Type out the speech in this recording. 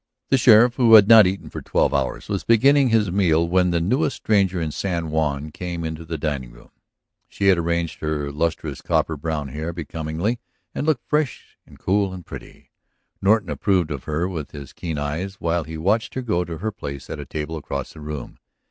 The sheriff, who had not eaten for twelve hours, was beginning his meal when the newest stranger in San Juan came into the dining room. She had arranged her lustrous copper brown hair becomingly, and looked fresh and cool and pretty. Norton approved of her with his keen eyes while he watched her go to her place at a table across the room.